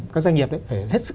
các doanh nghiệp phải hết sức